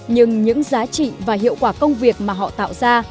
nhưng những giá trị và hiệu quả công việc mà họ tạo ra